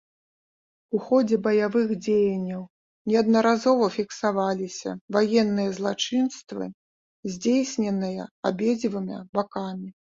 У ходзе баявых дзеянняў неаднаразова фіксаваліся ваенныя злачынствы, здзяйсняныя абедзвюма бакамі.